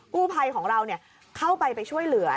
กู้ภัยของเราเข้าไปไปช่วยเหลือ